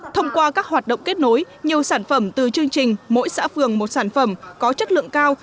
thông qua các hoạt động kết nối nhiều sản phẩm từ chương trình mỗi xã phường một sản phẩm có chất lượng cao